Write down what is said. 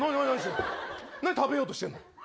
何食べようとしてんの。